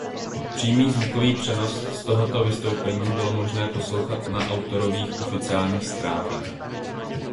Přímý zvukový přenos z tohoto vystoupení bylo možné poslouchat na autorových oficiálních stránkách.